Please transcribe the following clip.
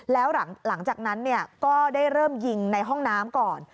แล้วหลังจากนั้นก็ได้เริ่มยิงในห้องน้ำก่อน